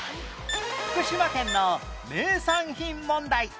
福島県の名産品問題